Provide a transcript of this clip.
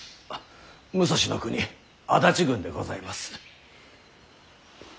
武蔵国足立郡でございます。